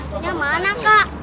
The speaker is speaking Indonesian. hantunya nggak bakalan muncul lagi